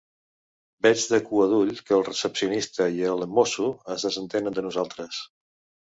Veig de cua d'ull que el recepcionista i el mosso es desentenen de nosaltres.